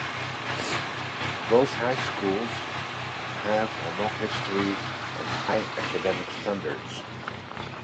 Both high schools have a long history of high academic standards.